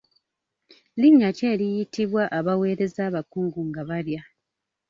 Linnya ki eriyitibwa abaweereza abakungu nga balya?